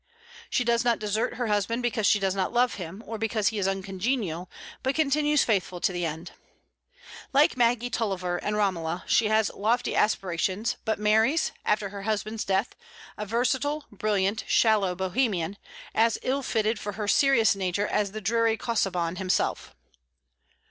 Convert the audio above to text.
She does not desert her husband because she does not love him, or because he is uncongenial, but continues faithful to the end. Like Maggie Tulliver and Romola, she has lofty aspirations, but marries, after her husband's death, a versatile, brilliant, shallow Bohemian, as ill fitted for her serious nature as the dreary Casaubon himself.